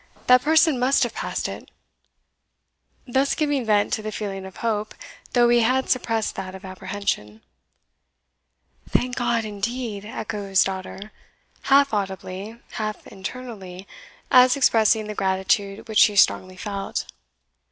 that person must have passed it;" thus giving vent to the feeling of hope, though he had suppressed that of apprehension. "Thank God, indeed!" echoed his daughter, half audibly, half internally, as expressing the gratitude which she strongly felt.